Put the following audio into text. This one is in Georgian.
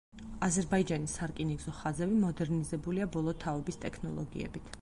აზერბაიჯანის სარკინიგზო ხაზები მოდერნიზებულია ბოლო თაობის ტექნოლოგიებით.